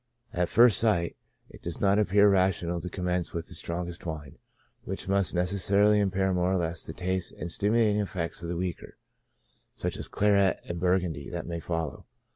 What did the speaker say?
At first sight, it does not appear rational to com mence with the strongest wine, which must necessarily impair more or less the taste and stimulating effects of the weaker, such as Claret and Burgundy, that may follow.